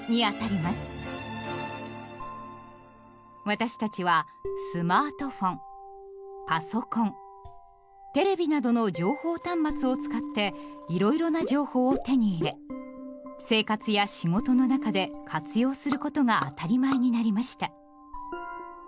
私たちはスマートフォンパソコンテレビなどの情報端末を使っていろいろな情報を手に入れ生活や仕事の中で活用することが当たり前になりました。